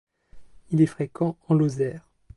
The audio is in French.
Il est fréquent en Lozère.